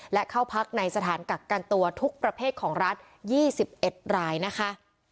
และเข้าพักในสถานกักกันตัวทุกประเภทของรัฐ๒๑รายนะคะ